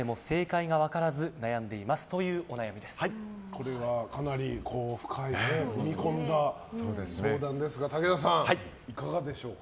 これはかなり深い踏み込んだ相談ですが武田さん、いかがでしょうか。